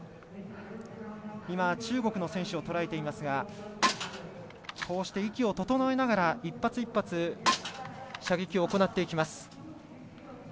中国の選手をとらえていますが息を整えながら１初１発射撃を行っていきます。